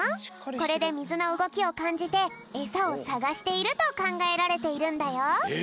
これでみずのうごきをかんじてえさをさがしているとかんがえられているんだよ。